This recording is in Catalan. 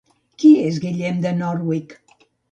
Qui és Guillem De Norwich?